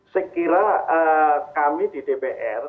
sekiranya kami di dpr